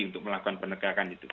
untuk melakukan penegakan itu